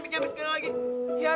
pak teran pak teran pak teran